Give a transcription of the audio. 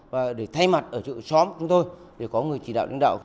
và để thay mặt ở chỗ xóm chúng tôi để có người chỉ đạo lãnh đạo